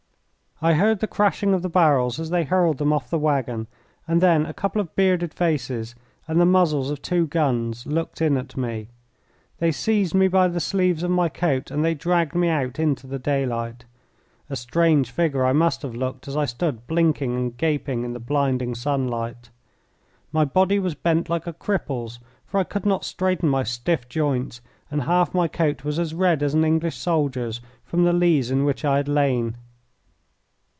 I heard the crashing of the barrels as they hurled them off the waggon, and then a couple of bearded faces and the muzzles of two guns looked in at me. They seized me by the sleeves of my coat, and they dragged me out into the daylight. A strange figure I must have looked as I stood blinking and gaping in the blinding sunlight. My body was bent like a cripple's, for I could not straighten my stiff joints, and half my coat was as red as an English soldier's from the lees in which I had lain.